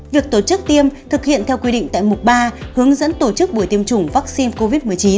việc tổ chức tiêm thực hiện theo quy định tại mục ba hướng dẫn tổ chức buổi tiêm chủng vaccine covid một mươi chín